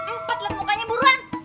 empat lihat mukanya buruan